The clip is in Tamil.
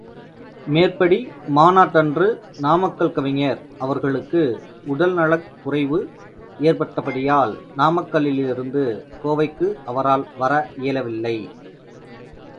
மேற்படி மாநாட்டன்று நாமக்கல் கவிஞர் அவர்களுக்கு உடல் நலக் குறைவு ஏற்பட்டபடியால் நாமக்கல்லிலிருந்து கோவைக்கு அவரால் வர இயலவில்லை.